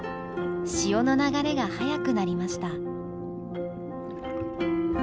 潮の流れが速くなりました。